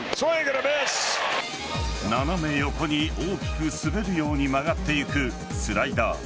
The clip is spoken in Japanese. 斜め横に大きく滑るように曲がっていくスライダー。